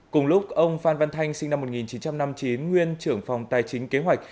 cùng lúc ông phan văn thanh sinh năm một nghìn chín trăm năm mươi chín nguyên trưởng phòng tài chính kế hoạch